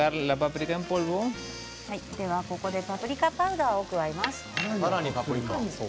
では、ここでパプリカパウダーを加えます。